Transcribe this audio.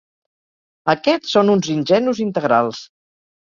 Aquests són uns ingenus integrals.